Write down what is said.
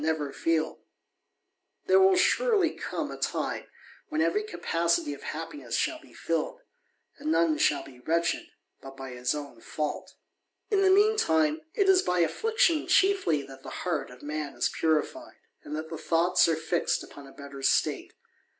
never feel: there will surely come a time, when ever^ capacity of happiness shall be filled, and none shall fan wretched but by his own fault. In the mean time, it is by affliction chiefly that the hea_r of man is purified, and that the thoughts are fixed upon better state.